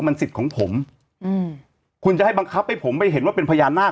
มันสิทธิ์ของผมอืมคุณจะให้บังคับให้ผมไปเห็นว่าเป็นพญานาค